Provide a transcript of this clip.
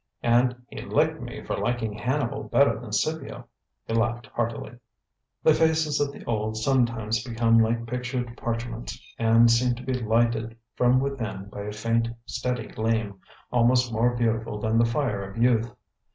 "And he licked me for liking Hannibal better than Scipio." He laughed heartily. The faces of the old sometimes become like pictured parchments, and seem to be lighted from within by a faint, steady gleam, almost more beautiful than the fire of youth.